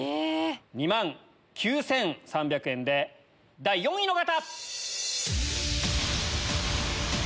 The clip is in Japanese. ２万９３００円で第４位の方！